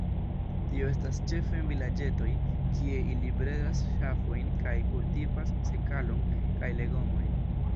Tio estas ĉefe en vilaĝetoj, kie ili bredas ŝafojn kaj kultivas sekalon kaj legomojn.